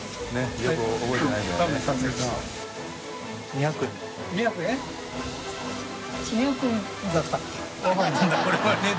よく覚えてないんだよね。